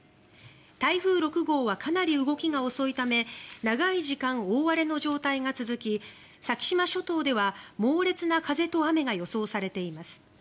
台風６号はかなり動きが遅いため長い時間、大荒れの状態が続き先島諸島では、猛烈な風と雨が予想されています。